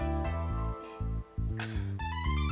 aku duluan ya